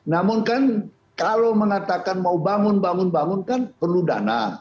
namun kan kalau mengatakan mau bangun bangun bangun kan perlu dana